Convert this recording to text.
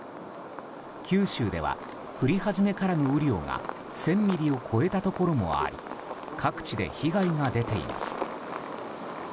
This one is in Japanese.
九州では降り始めからの雨量が１０００ミリを超えたところもあり各地で被害が出ています。